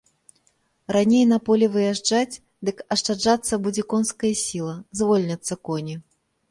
Раней на поле выязджаць, дык ашчаджацца будзе конская сіла, звольняцца коні.